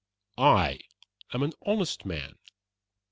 I am an honest man.